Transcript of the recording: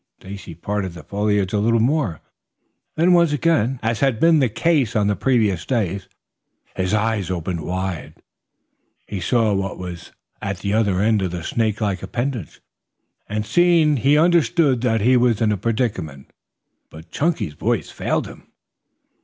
Stacy parted the foliage a little more, then once again, as had been the case on the previous day, his eyes opened wide. He saw now what was at the other end of the snake like appendage. And seeing he understood that he was in a predicament. But Chunky's voice failed him.